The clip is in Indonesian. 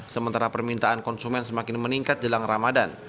sementara permintaan konsumen semakin meningkat jelang ramadan